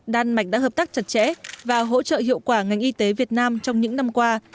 đan mạch đã hợp tác chặt chẽ và hỗ trợ hiệu quả ngành y tế việt nam trong những năm qua